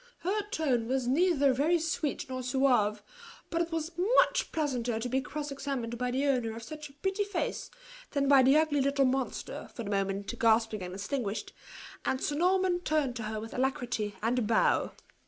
Her tone was neither very sweet nor suave; but it was much pleasanter to be cross examined by the owner of such a pretty face than by the ugly little monster, for the moment gasping and extinguished; and Sir Norman turned to her with alacrity, and a bow.